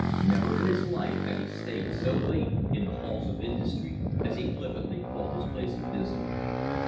Never in his life had he stayed so late in "the halls of industry," as he flippantly called his place of business.